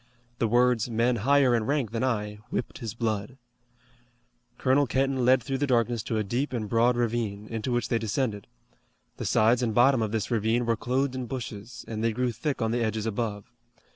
The words, "men higher in rank than I," whipped his blood. Colonel Kenton led through the darkness to a deep and broad ravine, into which they descended. The sides and bottom of this ravine were clothed in bushes, and they grew thick on the edges above.